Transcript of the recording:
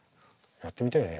やってみたいね。